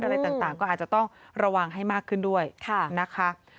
อะไรต่างก็อาจจะต้องระวังให้มากขึ้นด้วยนะคะ